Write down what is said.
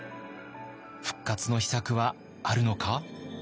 復活の秘策はあるのか？